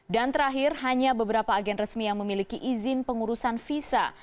dan terakhir hanya beberapa agen resmi yang memiliki izin pengurusan visa